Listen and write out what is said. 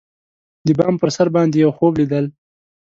د بام پر سر باندی یوخوب لیدل